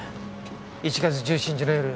１月１７日の夜